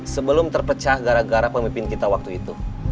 sebelum terpecah gara gara pemimpin kita waktu itu